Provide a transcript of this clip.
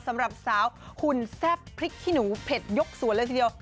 สำหรับสาวหุ่นแซ่บพริกขี้หนูเผ็ดยกสวนเลยทีเดียว